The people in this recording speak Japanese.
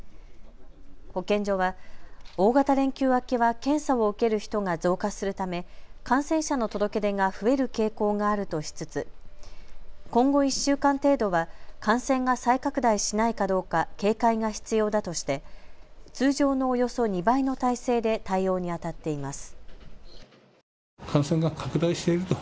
保健所は大型連休明けは検査を受ける人が増加するため感染者の届け出が増える傾向があるとしつつ今後１週間程度は感染が再拡大しないかどうか警戒が必要だとして通常のおよそ２倍の体制で対応にあたっています。